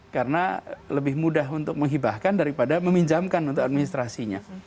karena lebih mudah untuk menghibahkan daripada meminjamkan untuk administrasinya